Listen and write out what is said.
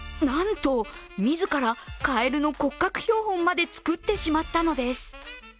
なんと、自らかえるの骨格標本まで作ってしまったのです。